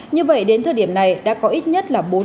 như vậy đến thời điểm này đã có ít nhất là bốn lần điều chỉnh tăng